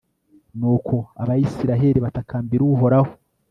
nuko abayisraheli batakambira uhoraho